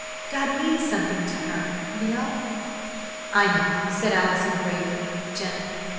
God means something to her, you know." "I know!" said Allison gravely, gently.